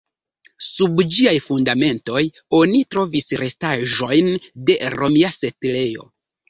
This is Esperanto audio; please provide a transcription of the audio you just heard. Sub ĝiaj fundamentoj oni trovis restaĵojn de romia setlejo.